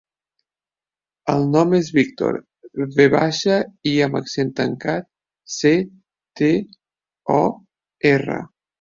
El nom és Víctor: ve baixa, i amb accent tancat, ce, te, o, erra.